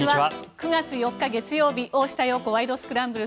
９月４日、月曜日「大下容子ワイド！スクランブル」。